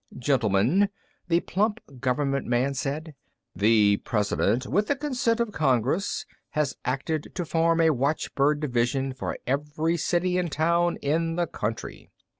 "Gentlemen," the plump government man said, "the President, with the consent of Congress, has acted to form a watchbird division for every city and town in the country."